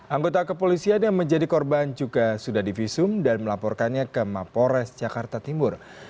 anggota kepolisian yang menjadi korban juga sudah divisum dan melaporkannya ke mapores jakarta timur